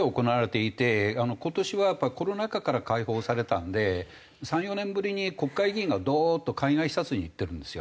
今年はやっぱりコロナ禍から解放されたんで３４年ぶりに国会議員がドーッと海外視察に行ってるんですよ。